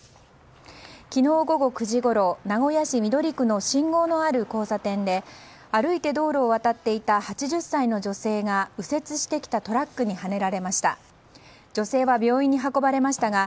昨日午後９時ごろ名古屋市緑区の信号のある交差点で歩いて道路を渡っていた８０歳の女性が右折してきたトラックにはねられました。